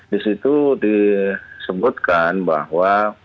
disitu disebutkan bahwa